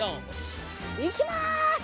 いきます！